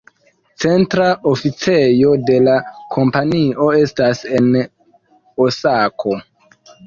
Centra oficejo de la kompanio estas en Osako.